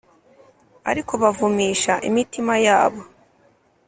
Ariko bavumisha imitima yabo